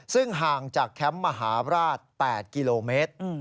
ซึ่งห่างจากแคมป์มหาราช๘กิโลเมตร